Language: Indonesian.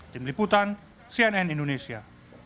tim liputan cnn indonesia